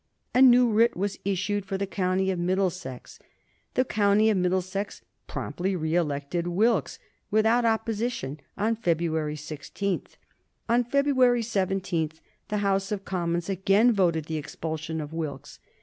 A new writ was issued for the county of Middlesex. The county of Middlesex promptly re elected Wilkes without opposition on February 16. On February 17 the House of Commons again voted the expulsion of Wilkes.